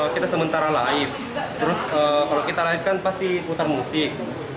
kita sementara laib terus kalau kita lari kan pasti putar musik